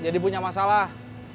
jadi punya masalah